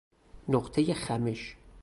نقطه خمش